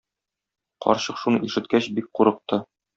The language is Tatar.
Карчык шуны ишеткәч бик курыкты.